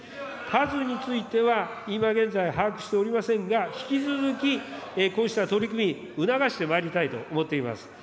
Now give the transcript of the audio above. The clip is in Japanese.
数については、今現在把握しておりませんが、引き続き、こうした取組、促してまいりたいと思っております。